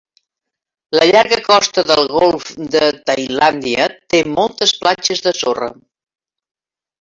La llarga costa del golf de Tailàndia té moltes platges de sorra.